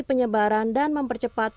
penyebaran dan mempercepat